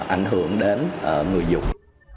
ảnh hưởng đến người dùng